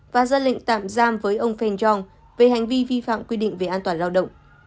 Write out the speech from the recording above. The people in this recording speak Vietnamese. và ra lệnh tạm giam với ông feng yong về hành vi vi phạm quy định về an toàn lao động